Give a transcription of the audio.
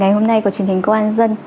ngày hôm nay của truyền hình cơ quan dân